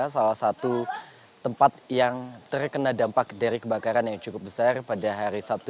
salah satu tempat yang terkena dampak dari kebakaran yang cukup besar pada hari sabtu